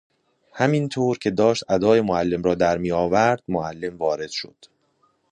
همین طور که داشت ادای معلم را در میآورد معلم وارد شد!